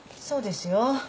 そうですよ。